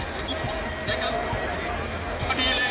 มาแล้วครับพี่น้อง